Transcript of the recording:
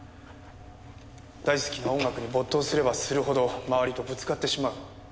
大好きな音楽に没頭すればするほど周りとぶつかってしまう。